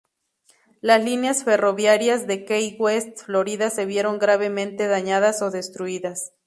Las líneas ferroviarias de Key West Florida se vieron gravemente dañadas o destruidas.